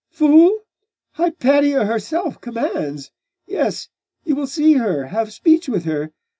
'Fool! Hypatia herself commands! Yes, you will see her, have speech with her!